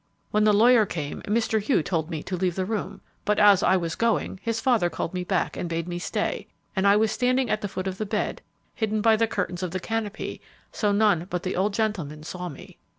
When the lawyer came, Mr. Hugh told me to leave the room; but as I was going his father called me back and bade me stay, and I was standing at the foot of the bed, hidden by the curtains of the canopy, so none but the old gentleman saw me."